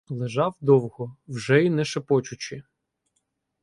Лежав довго, вже й не шепочучи.